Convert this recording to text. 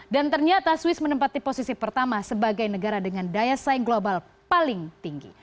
dan ternyata swiss menempati posisi pertama sebagai negara dengan daya saing global paling tinggi